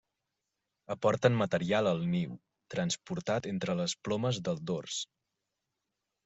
Aporten material al niu, transportat entre les plomes del dors.